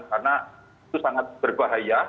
karena itu sangat berbahaya